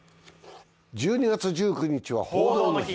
１２月１９日は「報道の日」。